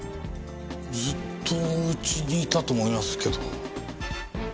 ずっと家にいたと思いますけど。